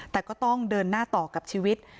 แต่ก็ต้องเดินหน้าต่อกับชีวิต